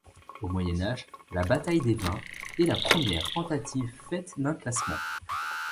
Au Moyen Âge, la Bataille des vins, est la première tentative faite d'un classement.